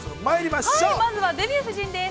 ◆まずは「デビュー夫人」です。